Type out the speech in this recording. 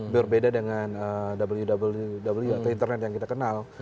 berbeda dengan ww atau internet yang kita kenal